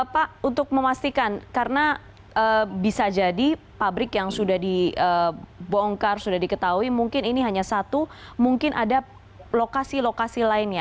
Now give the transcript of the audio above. pak untuk memastikan karena bisa jadi pabrik yang sudah dibongkar sudah diketahui mungkin ini hanya satu mungkin ada lokasi lokasi lainnya